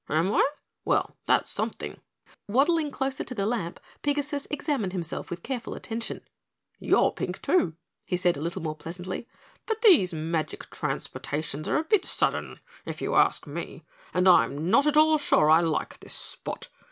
"Am I? Well, that's something." Waddling closer to the lamp, Pigasus examined himself with careful attention. "You're pink, too," he said a little more pleasantly, "but these magic transportations are a bit sudden, if you ask me, and I'm not at all sure I like this spot.